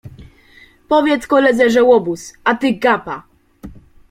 Powiedz koledze, że łobuz, a ty gapa.